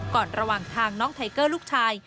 ระหว่างทางน้องไทเกอร์ลูกชาย